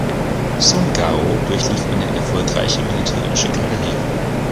Sun Gao durchlief eine erfolgreiche militärische Karriere.